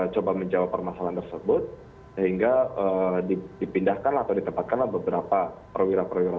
coba menjawab permasalahan tersebut sehingga dipindahkan atau ditempatkanlah beberapa perwira perwira